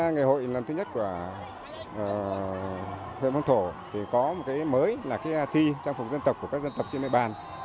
ngày hội lần thứ nhất của huyện phong thổ thì có một cái mới là thi trang phục dân tộc của các dân tộc trên địa bàn